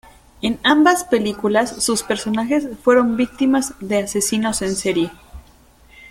En ambas películas sus personajes fueron víctimas de asesinos en serie.